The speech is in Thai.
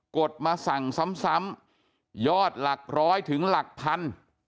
ดมาสั่งซ้ำยอดหลักร้อยถึงหลักพัน